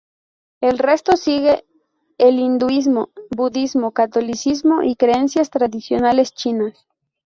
El resto sigue el hinduismo, budismo, catolicismo y creencias tradicionales chinas.